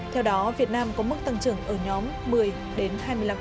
theo đó việt nam có mức tăng trưởng ở nhóm một mươi đến hai mươi năm